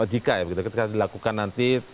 jika dilakukan nanti